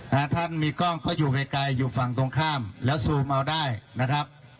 ท่านมีกล้องเขาอยู่ไกลไกลอยู่ฝั่งตรงข้ามแล้วซูมเอาได้นะครับ